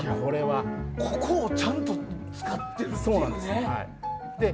ここをちゃんと使ってるというね。